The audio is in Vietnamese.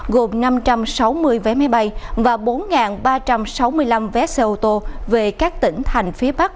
gồm năm trăm sáu mươi vé máy bay và bốn ba trăm sáu mươi năm vé xe ô tô về các tỉnh thành phía bắc